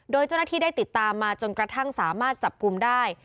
โดยเจ้าหน้าที่ได้ติดตามมาจนกระทั่งสามารถจับกลุ่มได้